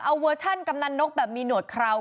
เอาเวอร์ชันกำนันนกแบบมีหนวดคราว